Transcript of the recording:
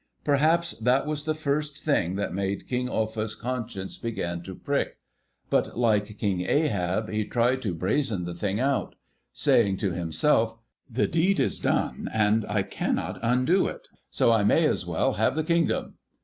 Perhaps that was the first thing that made King Offa's conscience begin to prick, but, like King Ahab, he tried to brazen the matter out; saying to himself, "The deed is done and I cannot undo it, so I may as well have the Kingdom."